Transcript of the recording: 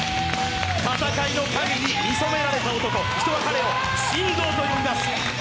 戦いの影に見初められた男、人は彼を神童と呼びます。